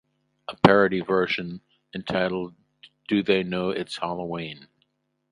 A parody version entitled Do They Know It's Hallowe'en?